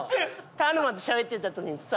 タニマとしゃべってた時にさ。